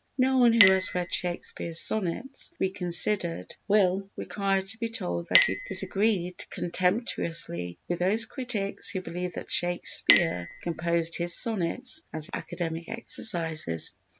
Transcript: No one who has read Shakespeare's Sonnets Reconsidered _will require to be told that he disagreed contemptuously with those critics who believe that Shakespeare composed his Sonnets as academic exercises_.